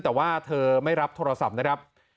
แต่ว่าเธอไม่รับโทรศัพท์นะครับ